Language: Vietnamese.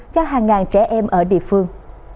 cho hàng ngàn trẻ em ở địa phương